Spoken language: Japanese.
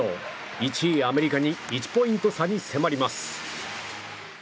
１位、アメリカに１ポイント差に迫ります。